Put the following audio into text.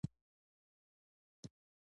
هندوکش د شنو سیمو یوه ښکلا ده.